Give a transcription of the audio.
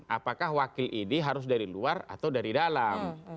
apakah wakil ini harus dari luar atau dari dalam